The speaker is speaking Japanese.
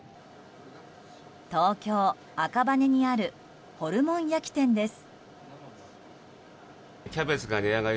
東京・赤羽にあるホルモン焼き店です。